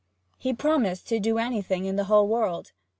He promised to do anything in the whole world.